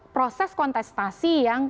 proses kontestasi yang